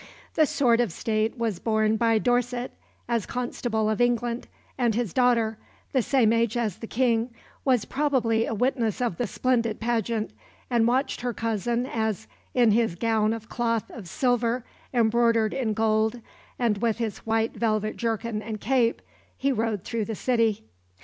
The sword of state was borne by Dorset, as Constable of England, and his daughter, the same age as the King, was probably a witness of the splendid pageant and watched her cousin as, in his gown of cloth of silver embroidered in gold and with his white velvet jerkin and cape, he rode through the city.